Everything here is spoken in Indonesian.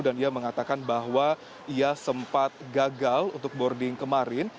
dan dia mengatakan bahwa ia sempat gagal untuk boarding kemarin